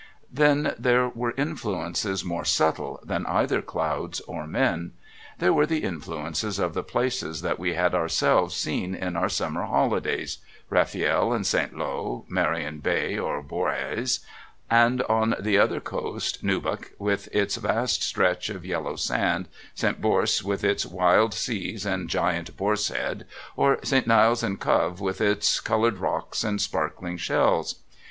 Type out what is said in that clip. Then there were influences more subtle than either clouds or men. There were the influences of the places that we had ourselves seen in our summer holidays Rafiel and St. Lowe, Marion Bay or Borhaze and, on the other coast, Newbock with its vast stretch of yellow sand, St. Borse with its wild seas and giant Borse Head, or St. Nails in Cove with its coloured rocks and sparkling shells.